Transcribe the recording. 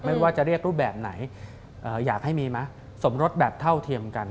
ไม่ว่าจะเรียกรูปแบบไหนอยากให้มีไหมสมรสแบบเท่าเทียมกัน